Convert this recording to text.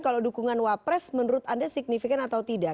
kalau dukungan wapres menurut anda signifikan atau tidak